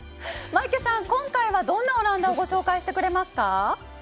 マイケさん、今回は、どんなオランダをご紹介してくれますか。